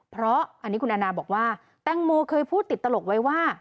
เพราะอันนี้คุณแอนนาบอกว่าแตงโมเคยพูดติดตลกไว้ว่า